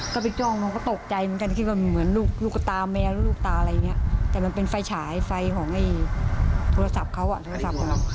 กระทั่งฟังก็ตกใจเลยเลยหาไฟที่มีอยู่แต่ทำไมมันเป็นไฟชายฟังว่ามีเวลาเบ้าเบ้า